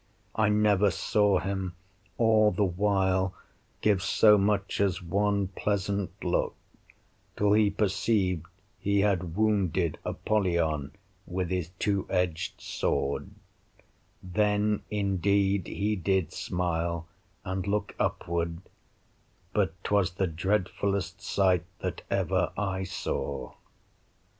I never saw him all the while give so much as one pleasant look, till he perceived he had wounded Apollyon with his two edged sword; then indeed he did smile, and look upward; but 'twas the dreadfulest sight that ever I saw.